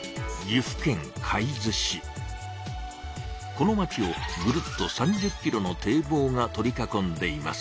この町をぐるっと３０キロの堤防が取り囲んでいます。